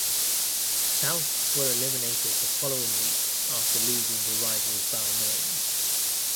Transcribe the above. Souths were eliminated the following week after losing to rivals Balmain.